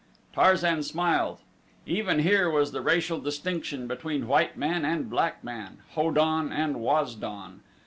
Tarzan smiled. Even here was the racial distinction between white man and black man Ho don and Waz don.